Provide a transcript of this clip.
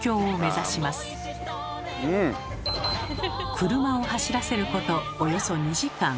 車を走らせることおよそ２時間。